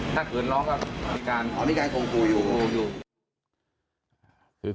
ถ้าเกิดร้องก็มีการ